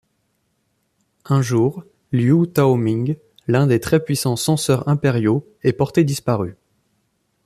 Un jour, Liou Tao-ming, l'un des très puissants censeurs impériaux est porté disparu.